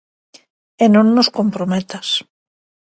E non nos comprometas.